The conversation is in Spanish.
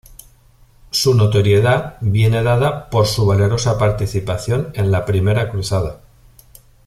Su notoriedad viene dada por su valerosa participación en la I cruzada.